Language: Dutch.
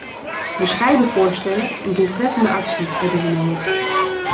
Bescheiden voorstellen en doeltreffende actie hebben we nodig.